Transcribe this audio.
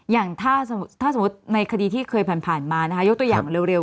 อย่างถ้าสมมุติในคดีที่เคยผ่านมานะคะยกตัวอย่างมาเร็ว